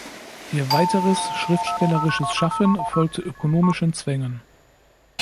Ihr weiteres schriftstellerisches Schaffen folgte ökonomischen Zwängen.